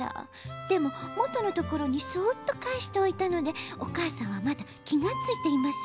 「でももとのところにそっとかえしておいたのでおかあさんはまだきがついていません。